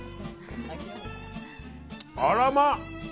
あらま！